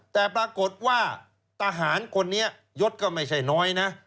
แต่ปรากฏว่าทหารคนนี้ยศก็ไม่ใช่น้อยนะ